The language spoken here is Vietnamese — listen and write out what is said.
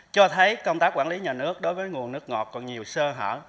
cho thấy công tác quản lý nhà nước đối với nguồn nước ngọt còn nhiều sơ hở